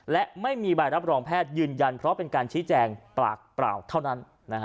และไม่มีใบรับรองแพทย์ยืนยันเพราะเป็นการชี้แจงปากเปล่าเท่านั้น